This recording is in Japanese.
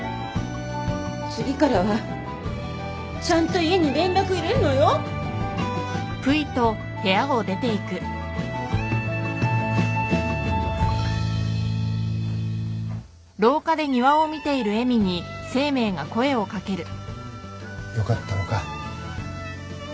次からはちゃんと家に連絡入れるのよ。よかったのか？